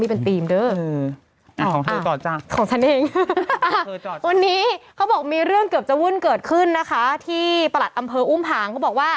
พิกเตอร์ผสมมากมีเครือข่ายค่ะมิน